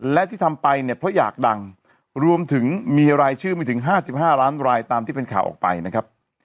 และที่ทำไปเนี่ยเพราะอยากดังรวมถึงมีรายชื่อไม่ถึง๕๕ล้านรายตามที่เป็นข่าวออกไปนะครับ